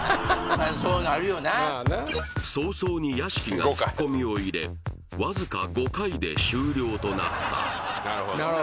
まあな早々に屋敷がツッコミを入れわずか５回で終了となったなるほどね